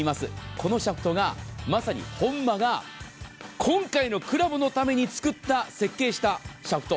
このシャフトが、まさに本間が今回のクラブのために設計したシャフト。